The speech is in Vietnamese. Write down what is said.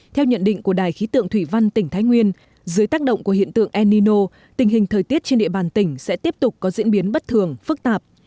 theo nhận định của đài khí tượng thủy văn tỉnh thái nguyên dưới tác động của hiện tượng enino tình hình thời tiết trên địa bàn tỉnh sẽ tiếp tục có diễn biến bất thường phức tạp